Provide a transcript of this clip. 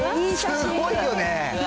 すごいよね。